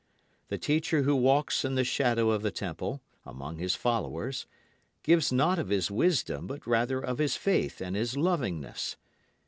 The teacher who walks in the shadow of the temple, among his followers, gives not of his wisdom but rather of his faith and his lovingness.